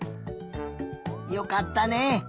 よかったね。